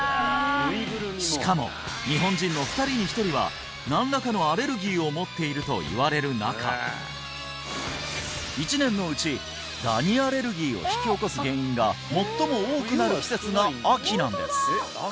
しかも日本人の２人に１人は何らかのアレルギーを持っているといわれる中１年のうちダニアレルギーを引き起こす原因が最も多くなる季節が秋なんです！